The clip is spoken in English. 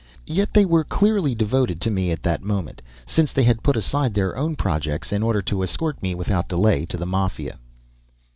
Yet they were clearly devoted to me, at that moment, since they had put aside their own projects in order to escort me without delay to the Mafia.